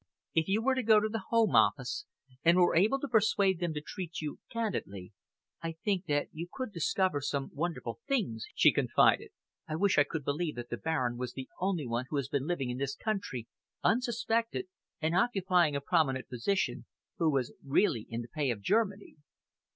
"If you were to go to the Home Office and were able to persuade them to treat you candidly, I think that you could discover some wonderful things," she confided. "I wish I could believe that the Baron was the only one who has been living in this country, unsuspected, and occupying a prominent position, who was really in the pay of Germany."